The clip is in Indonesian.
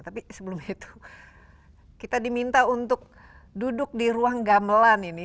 tapi sebelum itu kita diminta untuk duduk di ruang gamelan ini